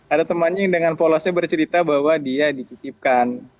ada temannya yang dengan polosnya bercerita bahwa dia dititipkan